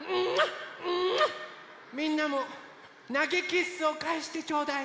みんなもなげキッスをかえしてちょうだい！